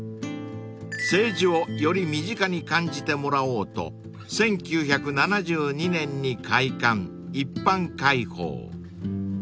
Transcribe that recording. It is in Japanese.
［政治をより身近に感じてもらおうと１９７２年に開館一般開放］